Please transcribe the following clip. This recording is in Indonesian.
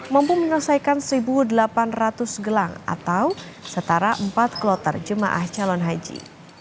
mampu menyelesaikan satu delapan ratus gelang atau setara empat kloter jemaah calon haji